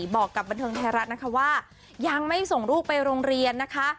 บอกกับบันเทิงไทยรัฐนะคะว่ายังไม่ส่งลูกไปโรงเรียนนะคะ